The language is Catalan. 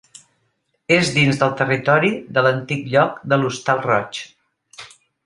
És dins del territori de l'antic lloc de l'Hostal Roig.